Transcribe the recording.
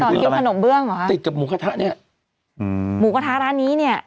กินขนมเบื้องเหรอคะติดกับหมูกระทะเนี้ยอืมหมูกระทะร้านนี้เนี้ย